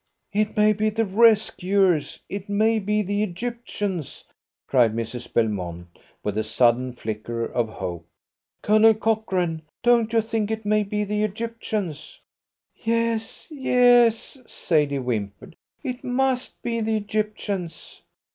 "It may be the rescuers! It may be the Egyptians!" cried Mrs. Belmont, with a sudden flicker of hope. "Colonel Cochrane, don't you think it may be the Egyptians?" "Yes, yes," Sadie whimpered. "It must be the Egyptians."